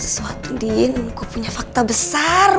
sesuatu andin gue punya fakta besar